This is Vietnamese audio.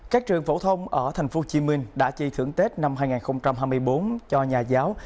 các trường phổ thông ở thành phố hồ chí minh đã chi thưởng tết năm hai nghìn hai mươi bốn cho nhà giáo